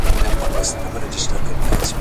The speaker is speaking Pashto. او ویډیوګاني خپرې سوې `